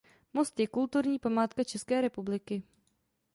Most je kulturní památka České republiky.